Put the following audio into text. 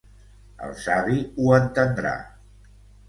El savi ho entendrà.